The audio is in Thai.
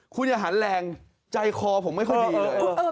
คุณอย่าหันแรงใจคอผมไม่ค่อยดีเลย